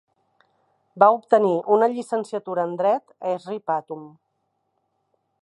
Va obtenir una llicenciatura en Dret a Sri Patum.